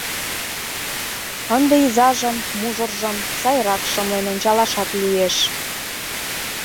Ынде изажын мужыржым сайрак шымлен ончалашат лиеш.